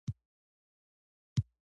په هند کې ځینې نورې کلاګانې هم وې.